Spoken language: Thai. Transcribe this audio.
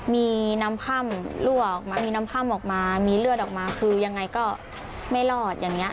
มีน้ำค่ำลั่วออกมามีน้ำค่ำออกมามีเลือดออกมาคือยังไงก็ไม่รอดอย่างนี้